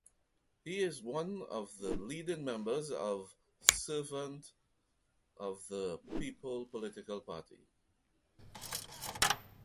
He is one of the leading members of Servant of the People political party.